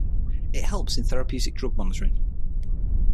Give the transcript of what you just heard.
It helps in therapeutic drug monitoring.